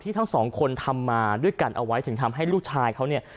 ทั้งสองคนทำมาด้วยกันเอาไว้ถึงทำให้ลูกชายเขาเนี่ย